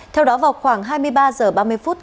theo đó vào khoảng hai mươi ba h ba mươi phút